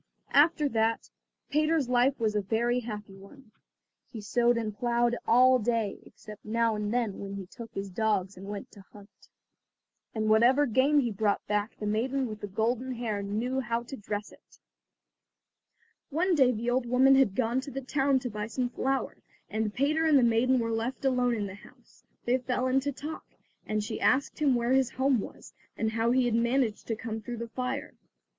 After that Peter's life was a very happy one. He sowed and ploughed all day, except now and then when he took his dogs and went to hunt. And whatever game he brought back the maiden with the golden hair knew how to dress it. One day the old woman had gone to the town to buy some flour, and Peter and the maiden were left alone in the house. They fell into talk, and she asked him where his home was, and how he had managed to come through the fire.